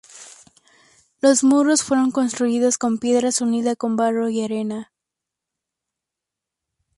Los muros fueron construidos con piedras unida con barro y arena.